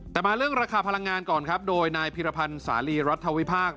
แต่มาเรื่องราคาพลังงานก่อนครับโดยนายพิรพันธ์สาลีรัฐวิพากษ